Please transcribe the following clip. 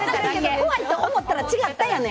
怖いと思ったら違ったやねん！